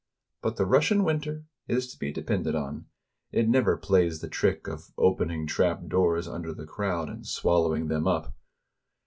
But the Russian winter is to be depended on — it never plays the trick of opening trapdoors under the crowd and swallowing them up.